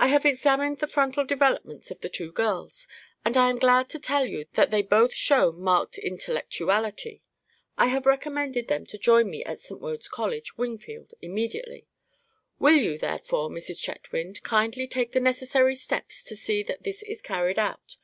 "I have examined the frontal developments of the two girls, and I am glad to tell you that they both show marked intellectuality. I have recommended them to join me at St. Wode's College, Wingfield, immediately. Will you, therefore, Mrs. Chetwynd, kindly take the necessary steps to see that this is carried out?